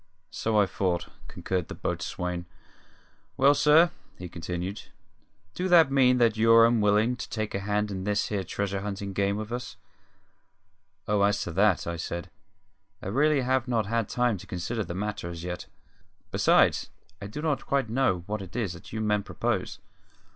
"So I thought," concurred the boatswain. "Well, sir," he continued, "do that mean that you're unwillin' to take a hand in this here treasure huntin' game with us?" "Oh, as to that," I said, "I really have not had time to consider the matter, as yet. Besides, I do not quite know what it is that you men propose.